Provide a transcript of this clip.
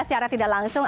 secara tidak langsung